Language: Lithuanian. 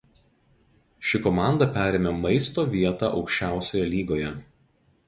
Ši komanda perėmė „Maisto“ vietą Aukščiausioje lygoje.